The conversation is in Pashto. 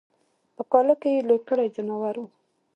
په کاله کی یې لوی کړي ځناور وي